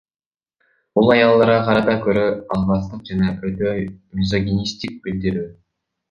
Бул аялдарга карата көрө албастык жана өтө мизогинисттик билдирүү.